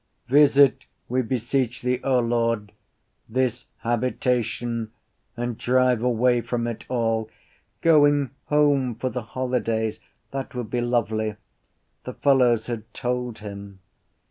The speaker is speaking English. Visit, we beseech Thee, O Lord, this habitation and drive away from it all... Going home for the holidays! That would be lovely: the fellows had told him.